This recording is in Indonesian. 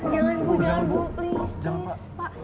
jangan bu jangan bu please please pak